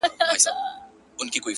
مړ به سم مړى به مي ورك سي گراني .